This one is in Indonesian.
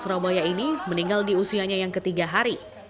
surabaya ini meninggal di usianya yang ketiga hari